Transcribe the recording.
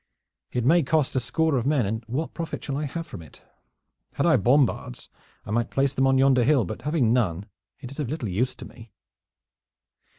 It may cost a score of men, and what profit shall I have from it? Had I bombards, I might place them on yonder hill, but having none it is of little use to me."